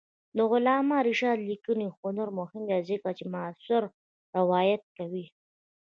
د علامه رشاد لیکنی هنر مهم دی ځکه چې معاصر روایت کوي.